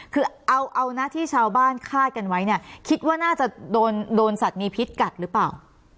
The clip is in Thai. คือเอาหน้าที่ชาวบ้านคาดกันไว้เนี่ยคิดว่าน่าจะโดนสัตว์มีพิษกัดหรือเปล่า